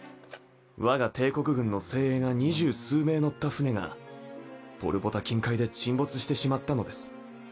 我が帝国軍の精鋭が２０数名乗った船がポルポタ近海で沈没してしまったのです。